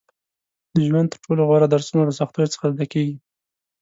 • د ژوند تر ټولو غوره درسونه له سختیو څخه زده کېږي.